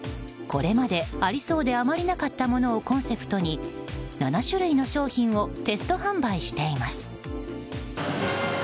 これまで、ありそうであまりなかったものをコンセプトに７種類の商品をテスト販売しています。